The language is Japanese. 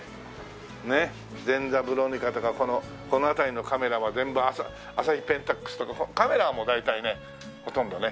ねっゼンザブロニカとかこの辺りのカメラは全部アサヒペンタックスとかカメラはもう大体ねほとんどね。